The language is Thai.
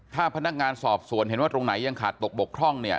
ถ้าพนักงานสอบสวนเห็นว่าตรงไหนยังขาดตกบกพร่องเนี่ย